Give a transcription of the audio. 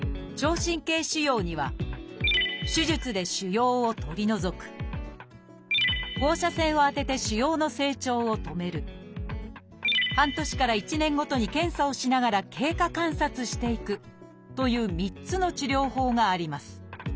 神経腫瘍には「手術で腫瘍を取り除く」「放射線を当てて腫瘍の成長を止める」「半年から１年ごとに検査をしながら経過観察していく」という３つの治療法があります。